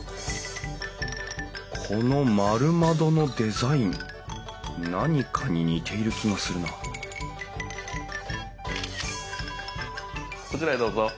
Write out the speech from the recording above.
この丸窓のデザイン何かに似ている気がするなこちらへどうぞ。